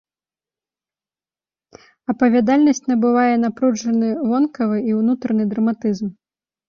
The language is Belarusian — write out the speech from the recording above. Апавядальнасць набывае напружаны вонкавы і ўнутраны драматызм.